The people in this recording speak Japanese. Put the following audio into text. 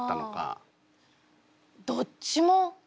あどっちも。